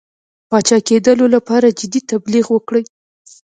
پاچاکېدلو لپاره جدي تبلیغ وکړي.